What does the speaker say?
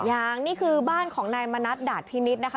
ยังนี่คือบ้านของนายมณัฐดาดพินิษฐ์นะคะ